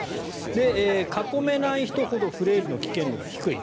囲めない人ほどフレイルの危険度が低い。